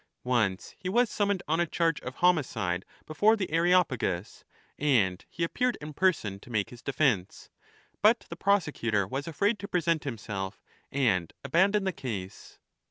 Once he was summoned on a charge of homicide before the Areopagus, and he appeared in person to make his defence ; but the prosecutor was afraid to present himself and abandoned the case.